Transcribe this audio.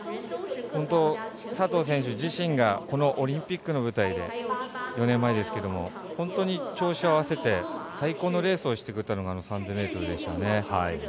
本当、佐藤選手自身がこのオリンピックの舞台で４年前ですけれども調子を合わせて最高のレースをしてくれたのが３０００ｍでしたね。